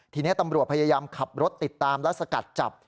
ทีนี้ตำรวจพยายามขับรถติดตามและสกัดจับ